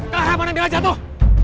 ke arah mana bella jatuh